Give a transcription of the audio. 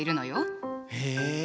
へえ。